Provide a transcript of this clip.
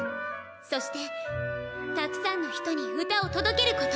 そしてたくさんの人に歌を届けること。